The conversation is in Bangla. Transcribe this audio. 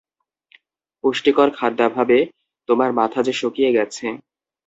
পুষ্টিকর খাদ্যাভাবে তোমার মাথা যে শুকিয়ে গেছে।